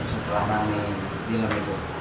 setelah rangin di lalu itu